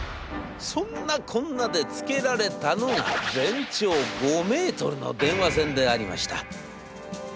そんなこんなで付けられたのが全長５ｍの電話線でありました。